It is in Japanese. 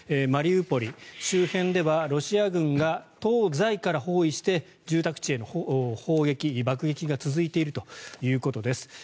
マリウポリ周辺ではロシア軍が東西から包囲して住宅地への砲撃、爆撃が続いているということです。